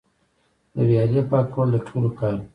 د ویالې پاکول د ټولو کار دی؟